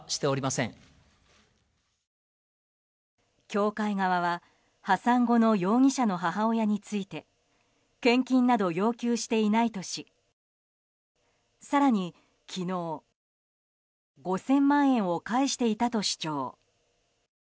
教会側は破産後の容疑者の母親について献金など要求していないとし更に昨日、５０００万円を返していたと主張。